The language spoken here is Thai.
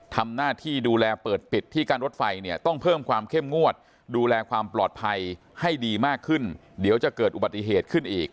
ทำหน้าที่ดูแลเปิดปิดที่การรถไฟเนี่ยต้องเพิ่มความเข้มงวดดูแลความปลอดภัยให้ดีมากขึ้นเดี๋ยวจะเกิดอุบัติเหตุขึ้นอีก